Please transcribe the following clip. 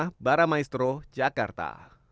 dari baramaestro jakarta